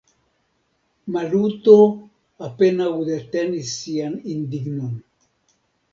Maluto apenaŭ detenis sian indignon.